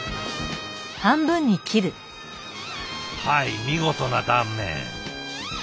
はい見事な断面。